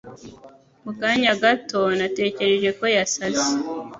Mu kanya gato, natekereje ko yasaze.